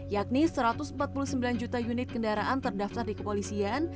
yakni satu ratus empat puluh sembilan juta unit kendaraan terdaftar di kepolisian